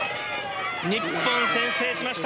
日本先制しました。